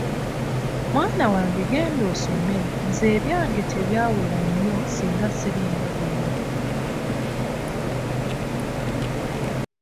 Mwana wange genda osome nze ebyange tebyawera nnyo singa siringa bwendi.